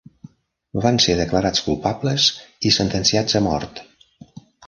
Van ser declarats culpables i sentenciats a mort.